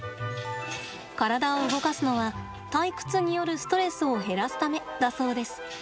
体を動かすのは、退屈によるストレスを減らすためだそうです。